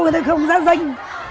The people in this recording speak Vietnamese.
người ta không ra danh